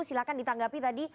silahkan ditanggapi tadi